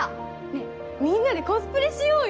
ねっみんなでコスプレしようよ！